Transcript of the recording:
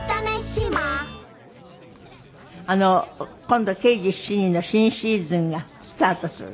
今度『刑事７人』の新シーズンがスタートする。